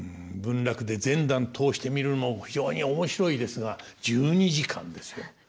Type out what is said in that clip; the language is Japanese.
文楽で全段通して見るのも非常に面白いですが１２時間ですよ。